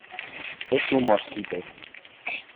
es un mosquito.